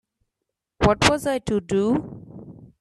What was I to do?